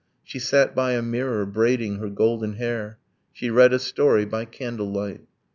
She sat by a mirror, braiding her golden hair. She read a story by candlelight.